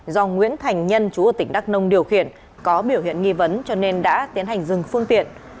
do nguyễn thành nhân chú ở tỉnh đắk nông điều khiển có biểu hiện nghi vấn cho nên đã tiến hành dừng phương tiện